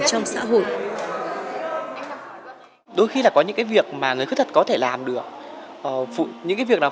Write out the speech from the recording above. trong xã hội đôi khi là có những cái việc mà người khuyết tật có thể làm được những cái việc nào